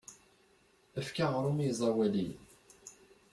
Efk aɣrum i iẓawaliyen.